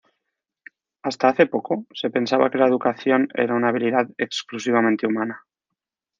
Hasta hace poco, se pensaba que la educación era una habilidad exclusivamente humana.